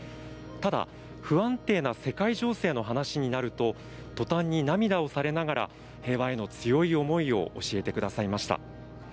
ただ、不安定な世界情勢の話になると途端に、涙をされながら平和への強い思いを教えてくださいました。